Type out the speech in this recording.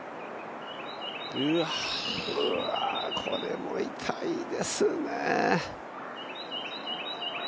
これは痛いですね。